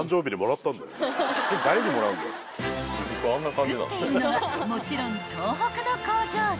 ［作っているのはもちろん東北の工場で］